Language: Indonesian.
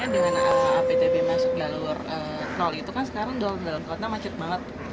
dengan aptb masuk jalur nol itu kan sekarang dalam kota macet banget